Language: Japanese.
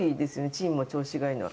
チームも調子がいいのは。